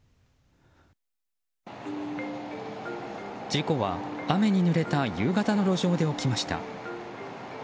事故は、雨にぬれた夕方の路上で起きました。